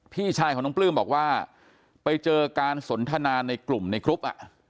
พี่ชายของน้องปลื้มบอกว่าไปเจอการสนทนาในกลุ่มในกรุ๊ป